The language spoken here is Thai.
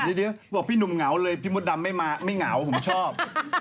เดี๋ยวบอกพี่หนุ่มเหงาเลยพี่มดดำไม่มาไม่เหงาผมชอบ